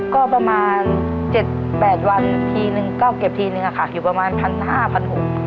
ก็ประมาณ๗๘วันทีนึงก็เก็บทีนึงอะค่ะอยู่ประมาณพันห้าพันหก